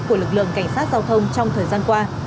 của lực lượng cảnh sát giao thông trong thời gian qua